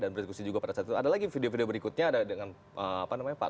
berdiskusi juga pada saat itu ada lagi video video berikutnya ada dengan apa namanya pak